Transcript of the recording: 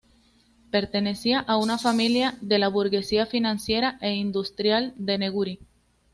Pertenecía a una familia de la burguesía financiera e industrial de Neguri.